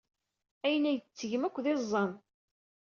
Ayen ay d-tettgem akk d iẓẓan.